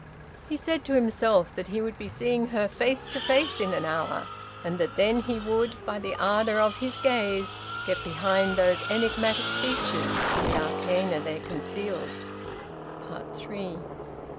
He said to himself that he would be seeing her face to face in an hour, and that then he would, by the ardour of his gaze, get behind those enigmatic features to the arcana they concealed. THREE.